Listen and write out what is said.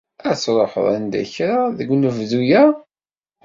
Ad truḥeḍ anda kra deg unebdu-ya?